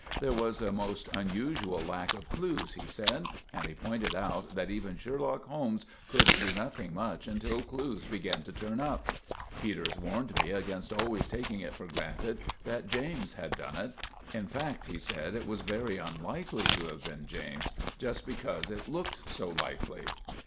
There was a most unusual lack of clues, he said; and he pointed out that even Sherlock Holmes could do nothing much until clues began to turn up. Peters warned me against always taking it for granted that James had done it. In fact, he said it was very unlikely to have been James, just because it looked so likely.